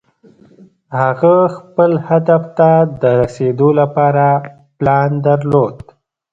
هغه خپل هدف ته د رسېدو لپاره پلان درلود.